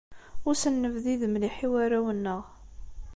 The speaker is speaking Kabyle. Ur asen-nebdid mliḥ i warraw-nneɣ.